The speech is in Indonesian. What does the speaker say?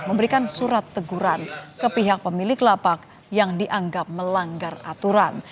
memberikan surat teguran ke pihak pemilik lapak yang dianggap melanggar aturan